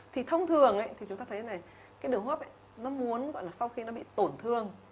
thì thông thường chúng ta thấy cái đường hốp nó muốn sau khi nó bị tổn thương